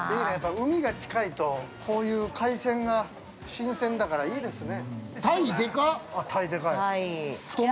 海が近いとこういう海鮮が新鮮だからいいですね。